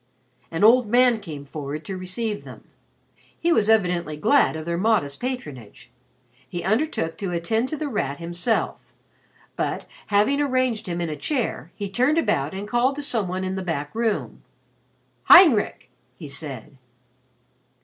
An old man came forward to receive them. He was evidently glad of their modest patronage. He undertook to attend to The Rat himself, but, having arranged him in a chair, he turned about and called to some one in the back room. "Heinrich," he said.